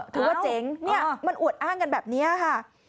ถือว่าเจ๋งเนี่ยมันอวดอ้างกันแบบนี้ค่ะ